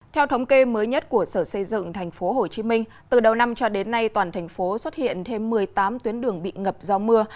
theo thống kê mới nhất của sở xây dựng tp hcm từ đầu năm cho đến nay toàn thành phố xuất hiện thêm một mươi tám tuyến đường bị ngập do mưa